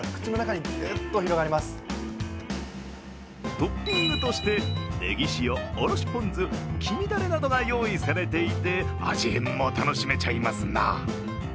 トッピングとしてねぎ塩おろしポン酢、黄身だれなどが用意されていて、味変も楽しめちゃいますな。